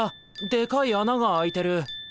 でかいあなが開いてる。